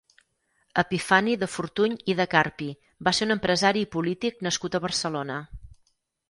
Epifani de Fortuny i de Carpi va ser un empresari i polític nascut a Barcelona.